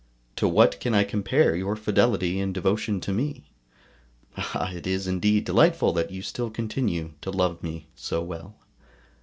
To what can I compare your fidelity and devotion to me? Ah! it is indeed delightful that you still continue to love me so well.